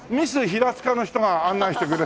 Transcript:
平塚の人が案内してくれる。